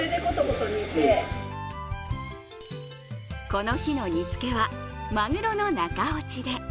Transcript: この日の煮つけは、まぐろの中落ちで。